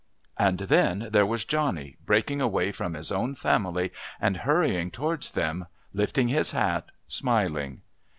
And then there was Johnny breaking away from his own family and hurrying towards them, lifting his hat, smiling!